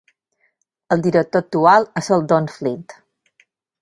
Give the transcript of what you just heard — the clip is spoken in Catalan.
El director actual és el Don Flynt.